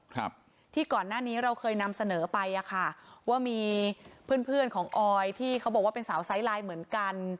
ครับที่ก่อนหน้านี้เราเคยนำเสนอไปอ่ะค่ะว่ามีเพื่อนเพื่อนของออยที่เขาบอกว่าเป็นสาวไซส์ไลน์เหมือนกัน